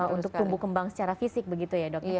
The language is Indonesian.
untuk tumbuh kembang secara fisik begitu ya dokter